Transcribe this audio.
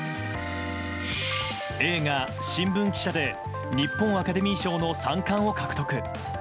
映画「新聞記者」で日本アカデミー賞の３冠を獲得。